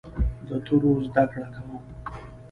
د تورو زده کړه کوم.